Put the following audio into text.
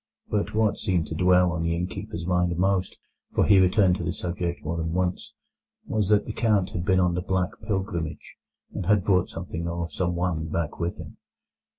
But what seemed to dwell on the innkeeper's mind most—for he returned to the subject more than once—was that the Count had been on the Black Pilgrimage, and had brought something or someone back with him.